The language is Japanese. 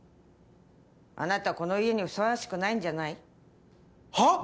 あなたこの家にふさわしくないんじゃない？はあ！？